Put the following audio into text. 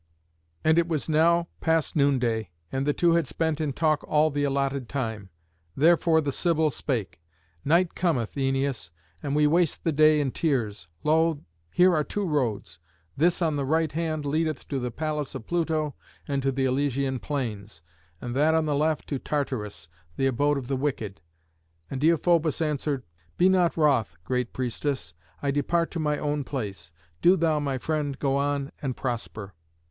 And it was now past noonday, and the two had spent in talk all the allotted time. Therefore the Sibyl spake: "Night cometh, Æneas, and we waste the day in tears. Lo! here are two roads. This on the right hand leadeth to the palace of Pluto and to the Elysian plains; and that on the left to Tartarus, the abode of the wicked." And Deïphobus answered: "Be not wroth, great priestess; I depart to my own place. Do thou, my friend, go on and prosper."